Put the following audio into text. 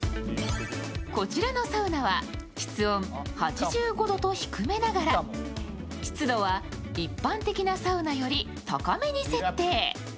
こちらのサウナは室温の温度は８５度と低めながら湿度は一般的なサウナより高めに設定。